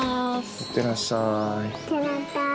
いってらっしゃい。